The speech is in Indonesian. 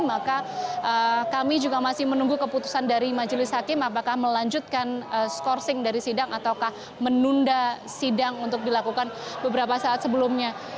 maka kami juga masih menunggu keputusan dari majelis hakim apakah melanjutkan skorsing dari sidang ataukah menunda sidang untuk dilakukan beberapa saat sebelumnya